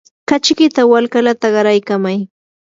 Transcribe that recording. kachikita walkalata qaraykamay.